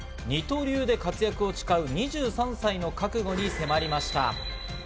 二刀流で活躍を誓う２３歳の覚悟に迫りました。